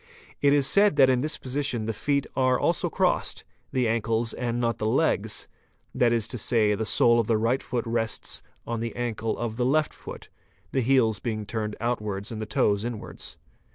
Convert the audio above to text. It is said that in this position the feet are also crossed, the ankles and not the legs, that is to say, the sole of the right foot rests on the ankle of the left foot, the heels being turned outwards and the toes inwards.